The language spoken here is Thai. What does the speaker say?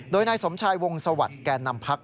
โดยนายสมชายวงศวรรษแก่นำพรรค